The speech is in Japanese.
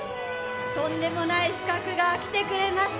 とんでもない、刺客が来てくれました。